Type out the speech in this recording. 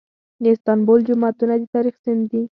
د استانبول جوماتونه د تاریخ سند دي.